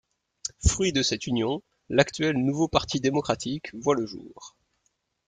Fruit de cette union, l'actuel Nouveau Parti démocratique voit le jour.